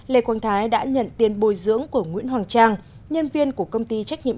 lê quang thái đã nhận tiền bồi dưỡng của nguyễn hoàng trang nhân viên của công ty trách nhiệm